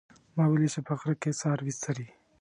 ما ولیدل چې په غره کې څاروي څري